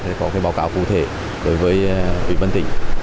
để có cái báo cáo cụ thể đối với ubnd